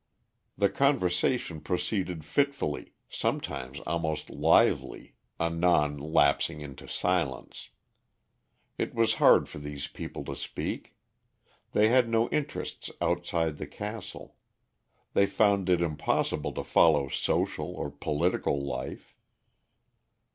The conversation proceeded fitfully, sometimes almost lively, anon lapsing into silence. It was hard for these people to speak. They had no interests outside the castle; they found it impossible to follow social or political life.